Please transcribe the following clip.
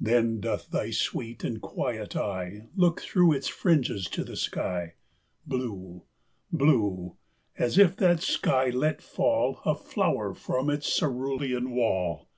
Then doth thy sweet and quiet eye Look through its fringes to the sky, Blue blue as if that sky let fall A flower from its cerulean wall.